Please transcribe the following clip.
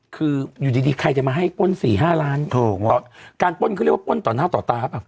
คืออยู่ดีใครจะมาให้ป้น๔๕ล้านต่อตา